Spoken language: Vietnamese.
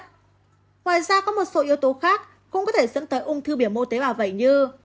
ngoài ra có một số yếu tố khác cũng có thể dẫn tới ung thư biểu mô tế bào vẩy như